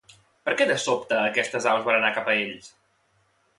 Per què, de sobte, aquestes aus van anar cap a ells?